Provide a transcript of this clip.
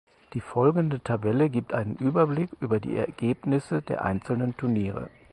Die folgende Tabelle gibt einen Überblick über die Ergebnisse der einzelnen Turniere.